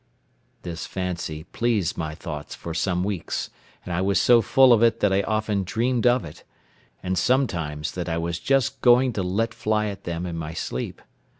This fancy pleased my thoughts for some weeks, and I was so full of it that I often dreamed of it, and, sometimes, that I was just going to let fly at them in my sleep.